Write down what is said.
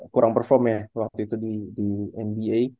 kurang perform ya waktu itu di nba